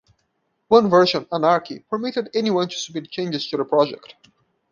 One version, Anarki, permitted anyone to submit changes to the project.